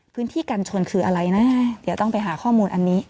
พื้นที่กันชนคืออะไรนะเดี๋ยวต้องไปหาข้อมูลอันนี้